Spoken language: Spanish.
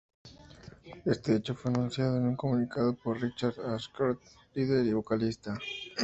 Este hecho fue anunciado en un comunicado por Richard Ashcroft, líder y vocalista.